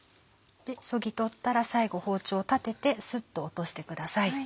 そぎ取ったら最後包丁を立ててスッと落としてください。